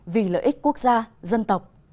vì lợi ích quốc gia dân tộc